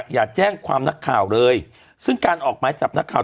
อย่าแจ้งความนักข่าวเลยซึ่งการออกหมายจับนักข่าว